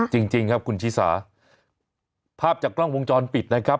จริงครับคุณชิสาภาพจากกล้องวงจรปิดนะครับ